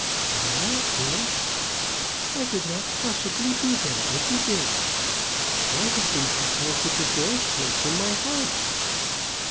"Why not, aunt?" "I could not possibly be there if you did. I have been compelled to divorce her from my heart."